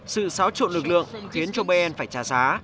sự xáo trộn lực lượng khiến cho ben phải trả giá